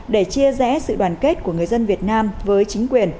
để chia rẽ sự đoàn kết của người dân việt nam với chính quyền